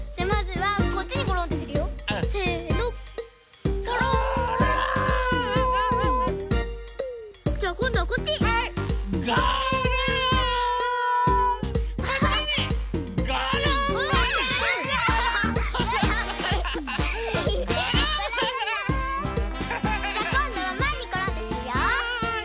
はい。